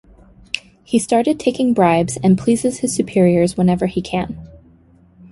He started taking bribes and pleases his superiors whenever he can.